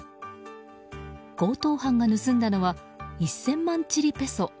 強盗犯が盗んだのは１０００万チリペソ。